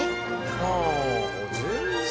ああ全然。